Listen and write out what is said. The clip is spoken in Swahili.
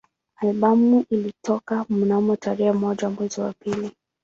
Albamu ilitoka mnamo tarehe moja mwezi wa pili